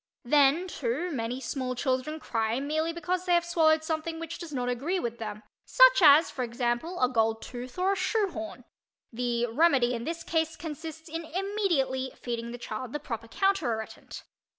Then, too, many small children cry merely because they have swallowed something which does not agree with them, such as, for example, a gold tooth or a shoe horn; the remedy in this case consists in immediately feeding the child the proper counter irritant.